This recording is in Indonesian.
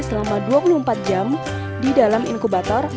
selama dua puluh empat jam di dalam inkubator